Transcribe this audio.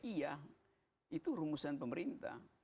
iya itu rumusan pemerintah